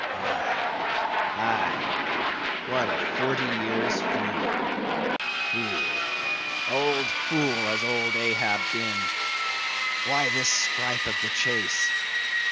—aye, aye! what a forty years' fool—fool—old fool, has old Ahab been! Why this strife of the chase?